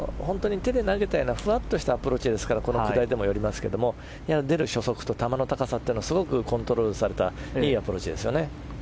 手で投げたようなふわっとしたアプローチでしたからこのラインが出ますけど出る初速と球の高さがすごくコントロールされたいいアプローチですね。